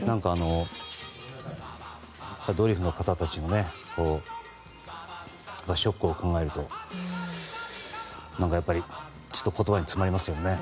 ドリフの方たちのショックを考えるとちょっと言葉に詰まりますけどね。